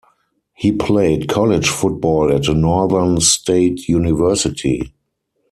He played college football at Northern State University.